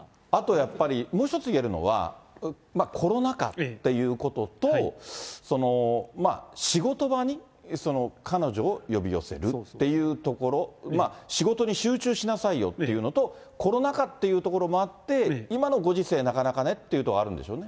やっぱり、もう一ついえるのは、コロナ禍っていうことと、仕事場にその彼女を呼び寄せるっていうところ、仕事に集中しなさいよっていうのと、コロナ禍っていうところもあって、今のご時世、なかなかねっていうところはあるんでしょうね。